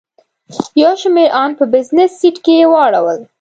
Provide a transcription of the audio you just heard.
یو شمېر ان په بزنس سیټ کې واړول.